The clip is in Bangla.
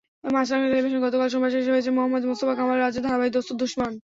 মাছরাঙা টেলিভিশনে গতকাল সোমবার শেষ হয়েছে মোহাম্মদ মোস্তফা কামাল রাজের ধারাবাহিক দোস্ত দুশমন।